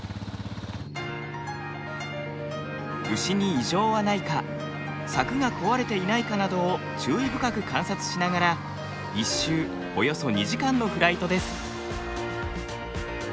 牛に異常はないか柵が壊れていないかなどを注意深く観察しながら１周およそ２時間のフライトです。